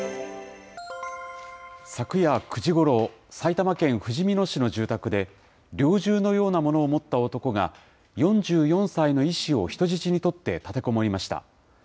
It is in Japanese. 昨夜９時ごろ、埼玉県ふじみ野市の住宅で、猟銃のようなものを持った男が、４４歳の医師を人質に取って立てこもりました。